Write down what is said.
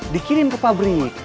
dikirim ke pabrik